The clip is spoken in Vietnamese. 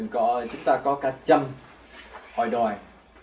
chúng ta có cả trăm hội đoàn